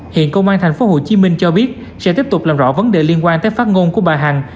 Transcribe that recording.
hiện công an tp hcm cho biết sẽ tiếp tục làm rõ vấn đề liên quan tới phát ngôn của bà hằng